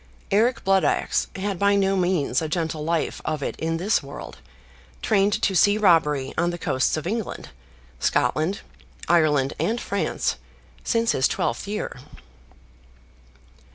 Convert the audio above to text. Eric Blood axe had by no means a gentle life of it in this world, trained to sea robbery on the coasts of England, Scotland, Ireland and France, since his twelfth year.